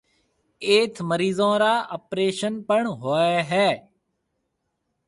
ايٿ مريضون را آپريشن پڻ ھوئيَ ھيََََ